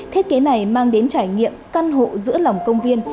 thiết kế này mang đến trải nghiệm căn hộ giữa lòng công viên